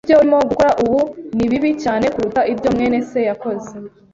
Ibyo urimo gukora ubu ni bibi cyane kuruta ibyo mwene se yakoze.